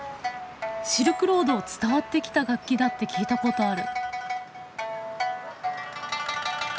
シルクロードを伝わってきた楽器だって聞いたことある。